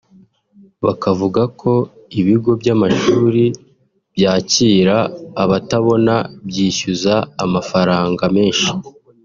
bakavuga ko ibigo by’amashuli byakira abatabona byishyuza amafaranga menshi